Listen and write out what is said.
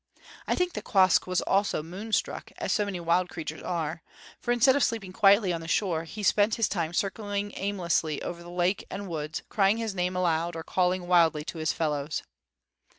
I think that Quoskh was also moonstruck, as so many wild creatures are; for, instead of sleeping quietly on the shore, he spent his time circling aimlessly over the lake and woods, crying his name aloud, or calling wildly to his fellows.